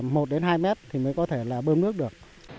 một đến hai mét mới có thể bơm nước được